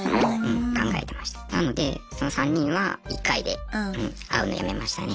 なのでその３人は１回で会うのやめましたね。